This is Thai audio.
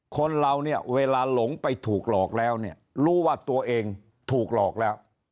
คนเราเนี่ยเวลาหลงไปถูกหลอกแล้วเนี่ยรู้ว่าตัวเองถูกหลอกแล้ว